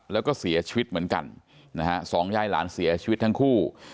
แล้วก็เสียชีวิตเหมือนกันนะฮะสองยายหลานเสียชีวิตทั้งคู่